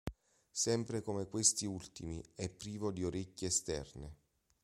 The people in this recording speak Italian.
Sempre come questi ultimi, è privo di orecchie esterne.